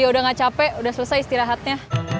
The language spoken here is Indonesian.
ya udah gak capek udah selesai istirahatnya